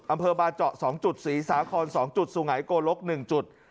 อำเภอบาเจาะสองจุดศรีสาครสองจุดสูงไหนโกลกหนึ่งจุด